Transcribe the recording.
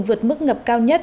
vượt mức ngập cao nhất